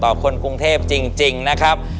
คนกรุงเทพจริงนะครับ